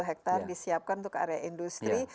dua puluh hektar disiapkan untuk area industri